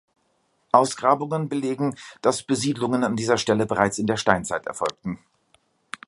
Ausgrabungen belegen, dass Besiedlungen an dieser Stelle bereits in der Steinzeit erfolgten.